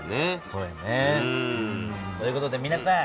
そうやね。という事でみなさん